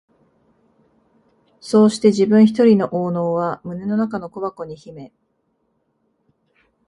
そうして自分ひとりの懊悩は胸の中の小箱に秘め、